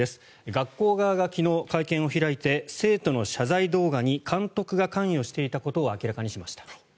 学校側が昨日会見を開いて生徒の謝罪動画に監督が関与していたことを明らかにしました。